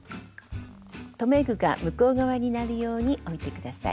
留め具が向こう側になるように置いて下さい。